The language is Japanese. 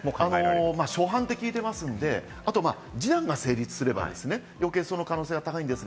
初犯と聞いてますので、また示談が成立すれば、その可能性が高い。